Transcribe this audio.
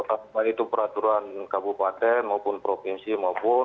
baik itu peraturan kabupaten maupun provinsi maupun